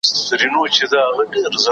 مديرانو ته امر سوی چې د کار مؤلديت لوړ کړي.